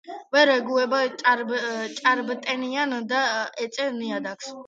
ვერ ეგუება ჭარბტენიან და ეწერ ნიადაგს.